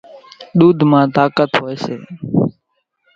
ۮوڌ مان طاقت هوئيَ سي۔